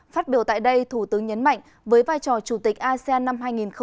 phát biểu tại đây thủ tướng nhấn mạnh với vai trò chủ tịch asean năm hai nghìn hai mươi